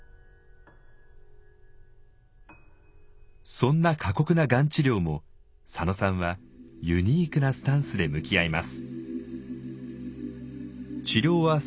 そんな過酷ながん治療も佐野さんはユニークなスタンスで向き合います。